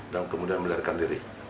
dan kemudian melarikan diri